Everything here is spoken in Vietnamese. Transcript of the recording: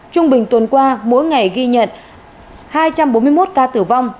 trung bình tuần qua mỗi ngày ghi nhận hai trăm bốn mươi một ca tử vong